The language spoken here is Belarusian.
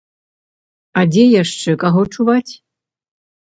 А дзе яшчэ каго чуваць?